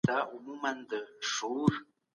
هغه ماشوم چي ډېر ژاړي، شايد له لوږي څخه په تکليف وي.